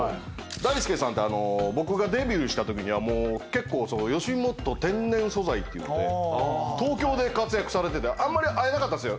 大輔さんって僕がデビューした時にはもう結構吉本天然素材っていうので東京で活躍されててあんまり会えなかったんですよ。